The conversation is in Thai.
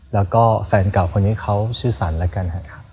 แล้วก็แฟนเก่าคนนี้เขาชื่อสรรแล้วกันครับ